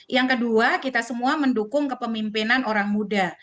yang kedua kita semua mendukung kepemimpinan orang muda